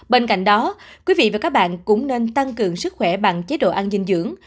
bên cạnh đó quý vị và các bạn cũng nên tăng cường sức khỏe bằng chế độ ăn dinh dưỡng